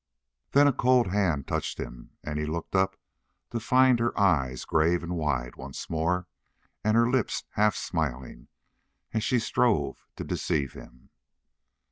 Then a cold hand touched him, and he looked up to find her eyes grave and wide once more, and her lips half smiling, as if she strove to deceive him.